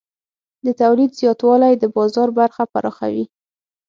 د تولید زیاتوالی د بازار برخه پراخوي.